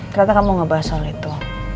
ternyata kamu ngebahas soal itu